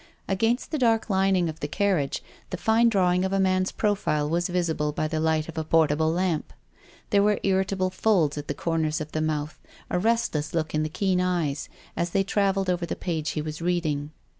Against the dark lining of the carriage the fine draw ing of a man's profile was visible by the light of a portable lamp. There were irri table folds at the corners of the mouth, a restless look in the keen eyes, as they travelled over the page he was reading.